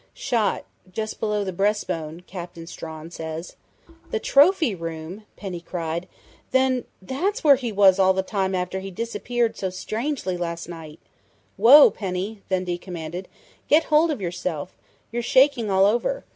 Shot just below the breastbone, Captain Strawn says." "The trophy room!" Penny cried. "Then that's where he was all the time after he disappeared so strangely last night " "Whoa, Penny!" Dundee commanded. "Get hold of yourself! You're shaking all over....